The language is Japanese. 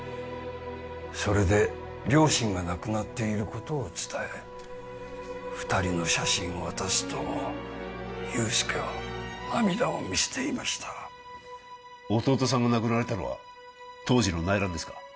それで両親が亡くなっていることを伝え二人の写真を渡すと憂助は涙を見せていました弟さんが亡くなられたのは当時の内乱ですか？